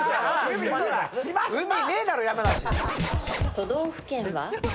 都道府県は？